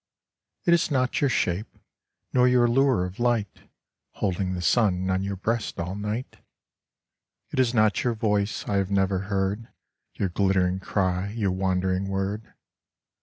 It is not your shape, Nor your lure of light, Holding the sun On your breast all night : It is not your voice, I have never heard Your glittering cry, Your wandering word.